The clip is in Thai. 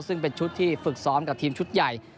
ซึ่งเป็นชุดที่ฝึกซ้อมกับทีมชุดใหญ่